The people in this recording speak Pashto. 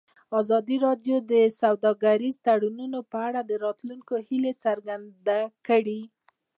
ازادي راډیو د سوداګریز تړونونه په اړه د راتلونکي هیلې څرګندې کړې.